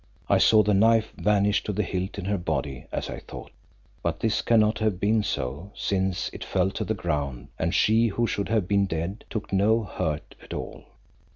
I saw the knife vanish to the hilt in her body, as I thought, but this cannot have been so since it fell to the ground, and she who should have been dead, took no hurt at all.